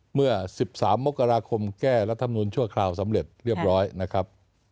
เมื่อ๑๓มกราคมแก้รัฐมนุนชั่วคราวสำเร็จเรียบร้อยนะครับ